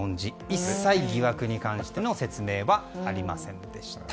一切疑惑に関しての説明はありませんでした。